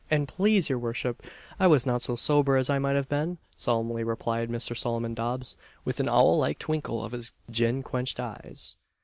" And please your worship, I was not so sober as I might have been," solemnly replied Mr. Solomon Dobbs, with an owl like twinkle of his gin quenched eyes.